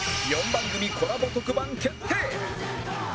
４番組コラボ特番決定！